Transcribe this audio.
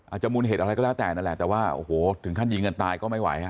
มูลเหตุอะไรก็แล้วแต่นั่นแหละแต่ว่าโอ้โหถึงขั้นยิงกันตายก็ไม่ไหวฮะ